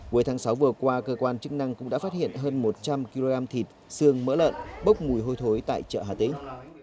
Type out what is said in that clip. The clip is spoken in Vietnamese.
cuối tháng sáu vừa qua cơ quan chức năng cũng đã phát hiện hơn một trăm linh kg thịt xương mỡ lợn bốc mùi hôi thối tại chợ hà tĩnh